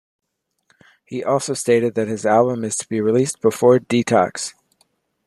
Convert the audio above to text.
He also stated that his album is to be released before "Detox".